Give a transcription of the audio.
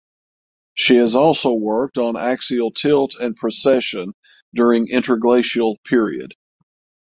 She has also worked on axial tilt and precession during interglacial period.